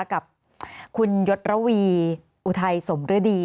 กับคุณยศระวีอุทัยสมฤดี